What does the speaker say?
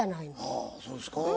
ああそうですか？